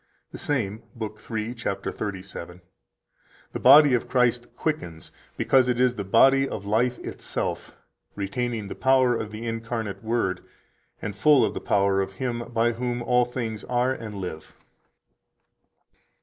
121 The same, lib. 3, cap. 37 (t. 1, p. 181): "The body of Christ quickens, because it is the body of Life itself, retaining the power of the incarnate Word, and full of the power of Him by whom all things are and live."